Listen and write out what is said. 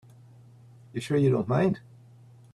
You're sure you don't mind?